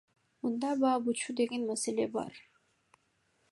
Мында баа бычуу деген маселе бар.